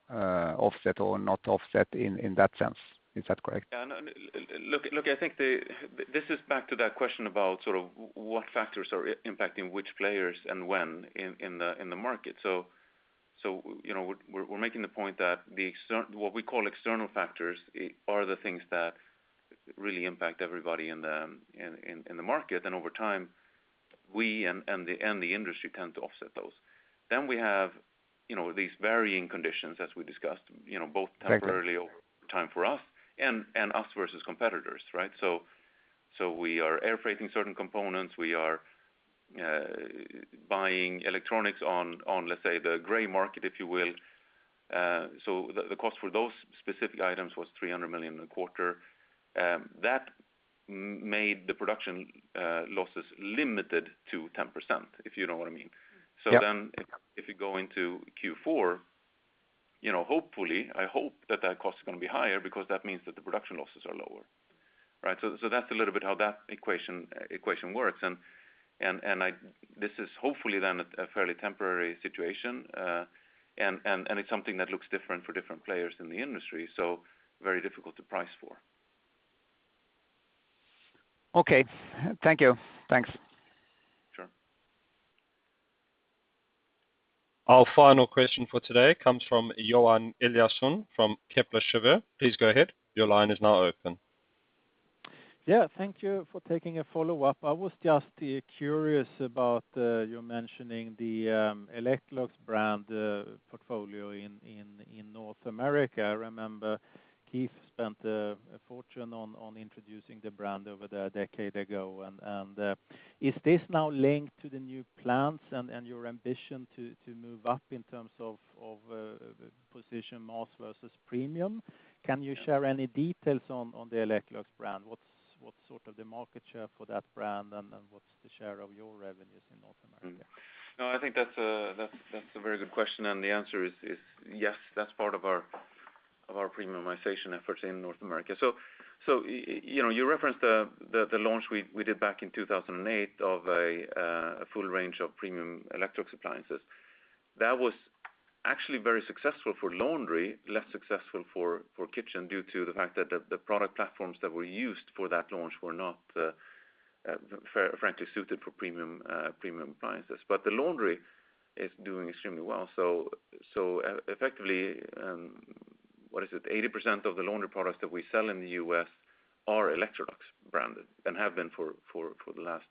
offset or not offset in that sense? Is that correct? Yeah, no, look, I think this is back to that question about sort of what factors are impacting which players and when in the market. So, you know, we're making the point that what we call external factors are the things that really impact everybody in the market. Over time, we and the industry tend to offset those. We have, you know, these varying conditions as we discussed, you know, both temporarily. Okay. Over time for us, and us versus competitors, right? We are airfreighting certain components. We are buying electronics on, let's say, the gray market if you will. The cost for those specific items was 300 million a quarter. That made the production losses limited to 10%, if you know what I mean. Yep. If you go into Q4, you know, hopefully I hope that cost is gonna be higher because that means that the production losses are lower, right? That's a little bit how that equation works. This is hopefully then a fairly temporary situation. It's something that looks different for different players in the industry, so very difficult to price for. Okay. Thank you. Thanks. Sure. Our final question for today comes from Johan Eliason from Kepler Cheuvreux. Please go ahead. Your line is now open. Yeah, thank you for taking a follow-up. I was just curious about you mentioning the Electrolux brand portfolio in North America. I remember Keith spent a fortune on introducing the brand over a decade ago. Is this now linked to the new plants and your ambition to move up in terms of position mass versus premium? Can you share any details on the Electrolux brand? What's sort of the market share for that brand, and then what's the share of your revenues in North America? No, I think that's a very good question, and the answer is yes, that's part of our premiumization efforts in North America. You know, you referenced the launch we did back in 2008 of a full range of premium Electrolux appliances. That was actually very successful for laundry, less successful for kitchen due to the fact that the product platforms that were used for that launch were not frankly suited for premium appliances. The laundry is doing extremely well. Effectively, what is it? 80% of the laundry products that we sell in the U.S. are Electrolux branded and have been for the last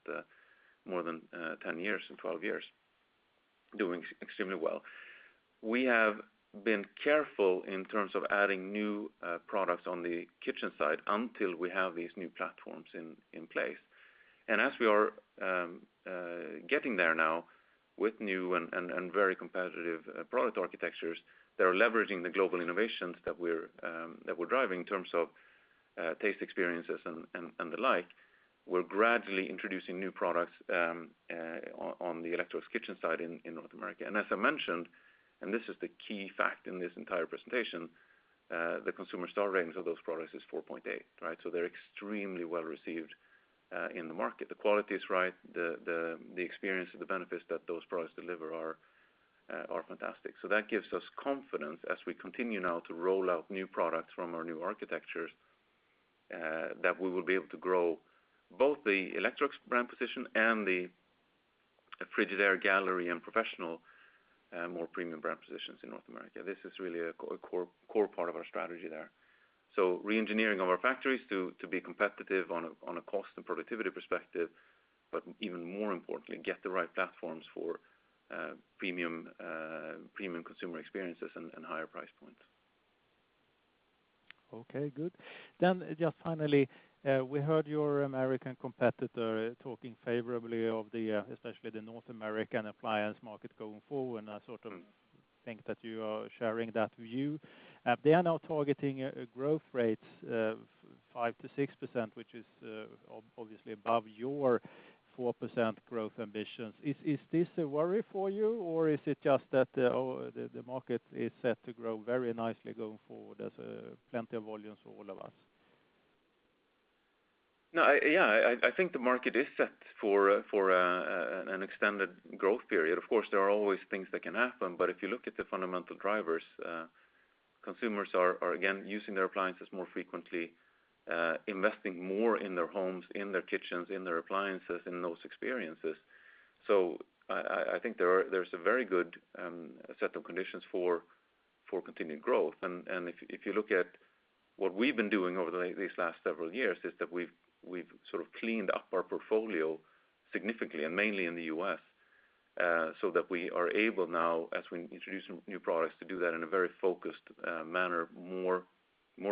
more than 10 years or 12 years, doing extremely well. We have been careful in terms of adding new products on the kitchen side until we have these new platforms in place. As we are getting there now with new and very competitive product architectures that are leveraging the global innovations that we're driving in terms of taste experiences and the like, we're gradually introducing new products on the Electrolux kitchen side in North America. As I mentioned, this is the key fact in this entire presentation, the consumer star ratings of those products is 4.8, right? They're extremely well-received in the market. The quality is right. The experience of the benefits that those products deliver are fantastic. That gives us confidence as we continue now to roll out new products from our new architectures that we will be able to grow both the Electrolux brand position and the Frigidaire Gallery and Professional more premium brand positions in North America. This is really a core part of our strategy there. Re-engineering our factories to be competitive on a cost and productivity perspective, but even more importantly, get the right platforms for premium consumer experiences and higher price points. Okay, good. Just finally, we heard your American competitor talking favorably of the especially the North American appliance market going forward, and I sort of. Mm. I think that you are sharing that view. They are now targeting growth rates of 5%-6%, which is obviously above your 4% growth ambitions. Is this a worry for you, or is it just that the market is set to grow very nicely going forward? There's plenty of volumes for all of us. No, I think the market is set for an extended growth period. Of course, there are always things that can happen, but if you look at the fundamental drivers, consumers are again using their appliances more frequently, investing more in their homes, in their kitchens, in their appliances, in those experiences. I think there's a very good set of conditions for continued growth. If you look at what we've been doing over these last several years, we've sort of cleaned up our portfolio significantly, and mainly in the U.S., so that we are able now, as we introduce new products, to do that in a very focused manner, more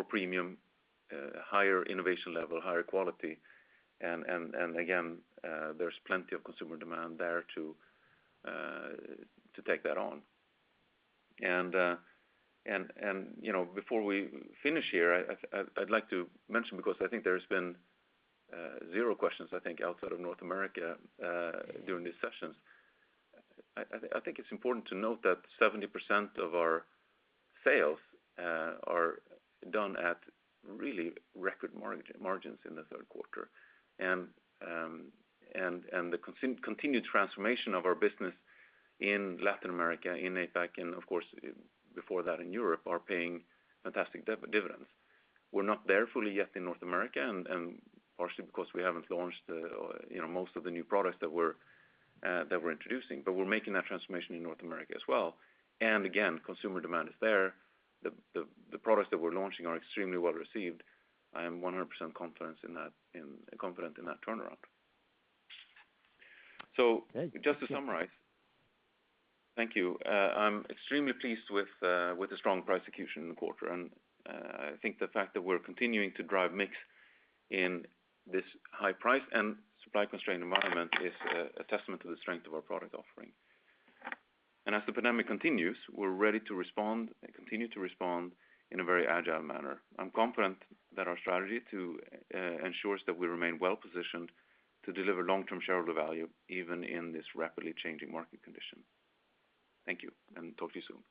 premium, higher innovation level, higher quality. Again, there's plenty of consumer demand there to take that on. You know, before we finish here, I'd like to mention, because I think there's been zero questions outside of North America during these sessions. I think it's important to note that 70% of our sales are done at really record margins in the third quarter. The continued transformation of our business in Latin America, in APAC, and of course, before that in Europe, are paying fantastic dividends. We're not there fully yet in North America and partially because we haven't launched, you know, most of the new products that we're introducing, but we're making that transformation in North America as well. Again, consumer demand is there. The products that we're launching are extremely well-received. I am 100% confident in that turnaround. Okay. Just to summarize. Thank you. I'm extremely pleased with the strong price execution in the quarter. I think the fact that we're continuing to drive mix in this high price and supply constrained environment is a testament to the strength of our product offering. As the pandemic continues, we're ready to respond and continue to respond in a very agile manner. I'm confident that our strategy ensures that we remain well-positioned to deliver long-term shareholder value, even in this rapidly changing market condition. Thank you, and talk to you soon.